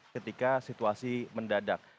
ketika situasi mendadak